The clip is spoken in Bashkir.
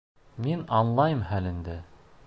Мин аңлайым хәлеңде.